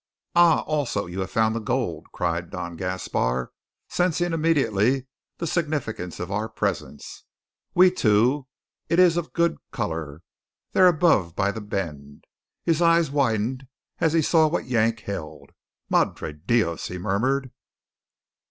"Ah! also you have found the gold!" cried Don Gaspar, sensing immediately the significance of our presence. "We, too. It is of good colour; there above by the bend." His eye widened as he saw what Yank held. "Madre de dios!" he murmured.